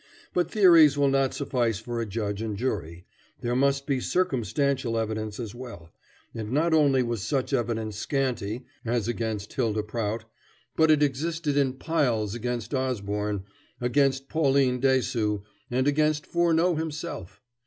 But theories will not suffice for a judge and jury there must be circumstantial evidence as well and not only was such evidence scanty as against Hylda Prout, but it existed in piles against Osborne, against Pauline Dessaulx, and against Furneaux himself.